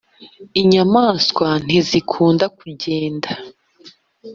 Inyamaswa ntizikunda kugenda.